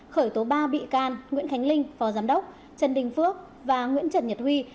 khởi tố ba bị can nguyễn khánh linh phó giám đốc trần đình phước và nguyễn trần nhật huy